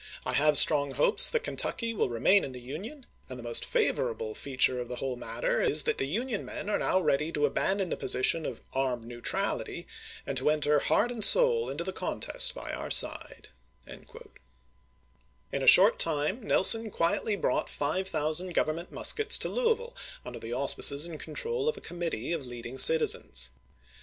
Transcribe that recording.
I have strong hopes that Kentucky will remain in the Union, and the most favorable feature of the whole matter is that the Union men are now ready to 'vof i^"' ^^^^^^" ^^16 position of " armed neutrality," and to enter 236'.' ' heart and soul into the contest bv our side. McClellan to Towns end, May 17, 1861. W. R. In a short time Nelson quietly brought five thou sand Government muskets to Louisville, under the auspices and control of a committee of leading citizens.